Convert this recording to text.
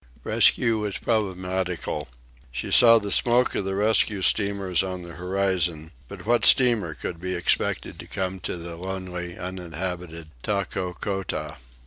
Rescue was problematical. She saw the smoke of the rescue steamers on the horizon, but what steamer could be expected to come to lonely, uninhabited Takokota?